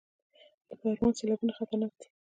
د پروان سیلابونه خطرناک دي